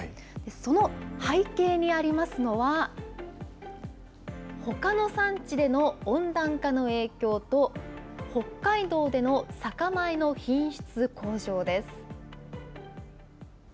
その背景にありますのは、ほかの産地での温暖化の影響と、北海道での酒米の品質向上です。